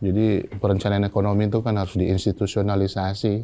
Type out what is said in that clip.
jadi perencanaan ekonomi tuh kan harus diinstitusionalisasi